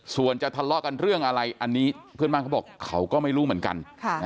ส่วนจะทะเลาะกันเรื่องอะไรอันนี้เพื่อนบ้านเขาบอกเขาก็ไม่รู้เหมือนกัน